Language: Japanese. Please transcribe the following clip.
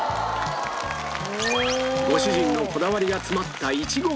ご主人のこだわりが詰まったいちご餃子